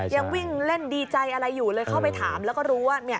ยังวิ่งเล่นดีใจอะไรอยู่เลยเข้าไปถามแล้วก็รู้ว่า